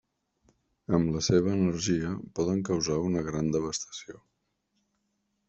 Amb la seva energia poden causar una gran devastació.